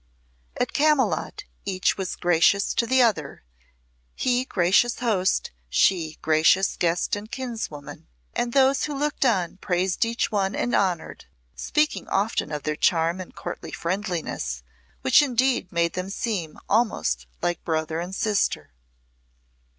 At Camylott each was gracious to the other, he gracious host, she gracious guest and kinswoman, and those who looked on praised each one and honoured, speaking often of their charm and courtly friendliness, which indeed made them seem almost like brother and sister.